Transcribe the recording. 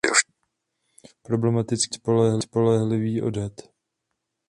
Problematický může být spolehlivý odhad.